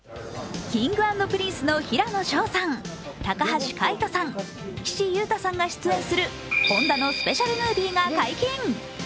Ｋｉｎｇ＆Ｐｒｉｎｃｅの平野紫耀さん、高橋海人さん、岸優太さんが出演するホンダのスペシャルムービーが解禁。